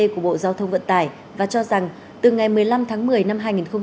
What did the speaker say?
của bộ giao thông vận tải và cho rằng từ ngày một mươi năm tháng một mươi năm hai nghìn một mươi chín